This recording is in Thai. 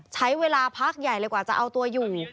ใช้เวลาพักใหญ่เลยกว่าจะเอาตัวอยู่